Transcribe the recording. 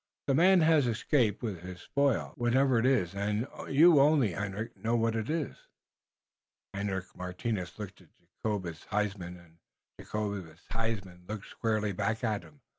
But the man hass escaped with hiss spoil, whatefer it iss, und you only, Hendrik, know what it iss." Hendrik Martinus looked at Jacobus Huysman and Jacobus Huysman looked squarely back at him.